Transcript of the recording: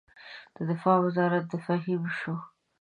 د دفاع وزارت د فهیم شو.